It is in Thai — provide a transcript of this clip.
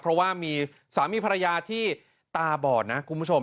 เพราะว่ามีสามีภรรยาที่ตาบอดนะคุณผู้ชม